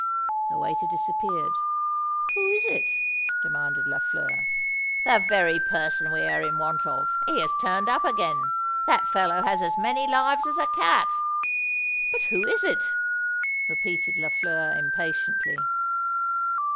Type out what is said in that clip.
The waiter disappeared. "Who is it?" demanded Lafleur. "The very person we are in want of! He has turned up again:—that feller has as many lives as a cat." "But who is it?" repeated Lafleur impatiently.